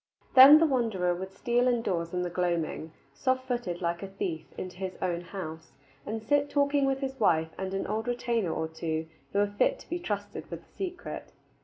Then the wanderer would steal indoors in the gloaming, soft footed, like a thief, into his own house, and sit talking with his wife and an old retainer or two who were fit to be trusted with the secret.